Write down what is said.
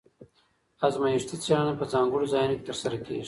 ازمایښتي څېړنه په ځانګړو ځایونو کې ترسره کېږي.